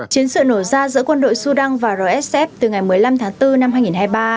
chiến sự nổ ra giữa quân đội sudan và rsf từ ngày một mươi năm tháng bốn năm hai nghìn hai mươi ba